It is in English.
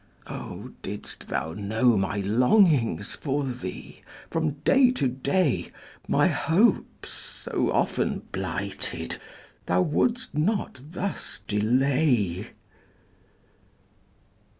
Oh, didst thou know my longings For thee, from day to day, My hopes, so often blighted, Thou wouldst not thus delay!